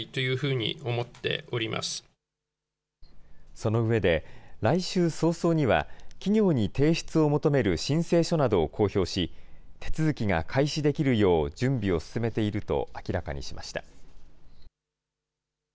その上で、来週早々には、企業に提出を求める申請書などを公表し、手続きが開始できるよう準備を進めていると明らかにしました。